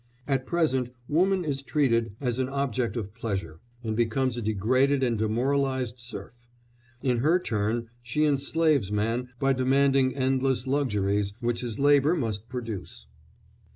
At present woman is treated as an object of pleasure, and becomes a degraded and demoralised serf. In her turn she enslaves man by demanding endless luxuries which his labour must produce.